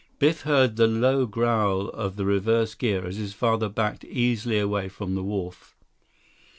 Biff heard the low growl of the reverse gear as his father backed easily away from the wharf.